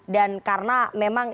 dan karena memang